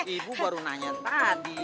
ibu baru nanya tadi